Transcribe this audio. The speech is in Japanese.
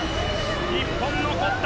日本、残った！